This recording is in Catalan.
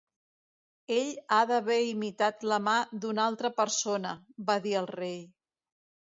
"Ell ha d'haver imitat la mà d'una altra persona", va dir el rei.